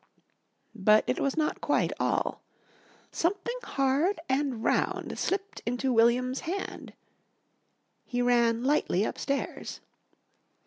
But it was not quite all. Something hard and round slipped into William's hand. He ran lightly upstairs.